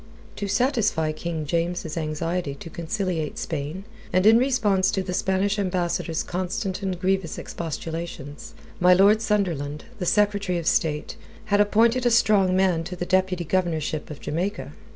To satisfy King James's anxiety to conciliate Spain, and in response to the Spanish Ambassador's constant and grievous expostulations, my Lord Sunderland, the Secretary of State, had appointed a strong man to the deputy governorship of Jamaica.